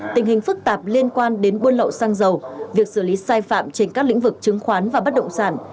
tình hình phức tạp liên quan đến buôn lậu xăng dầu việc xử lý sai phạm trên các lĩnh vực chứng khoán và bất động sản